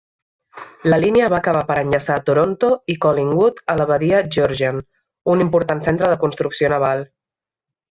La línia va acabar per enllaçar Toronto i Collingwood a la badia Georgian, un important centre de construcció naval.